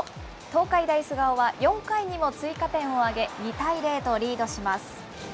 東海大菅生は４回にも追加点を挙げ、２対０とリードします。